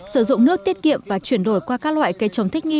sử dụng nước tiết kiệm và chuyển đổi qua các loại cây trồng thích nghi